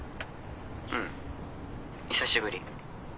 うん久しぶり。